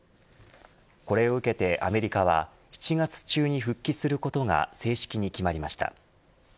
これを受けてアメリカは７月中に復帰することが正式に決まりました。